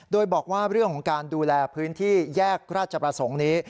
โดยบอกว่าเรื่องของการดูแลพื้นที่แยกราชประสงค์นี้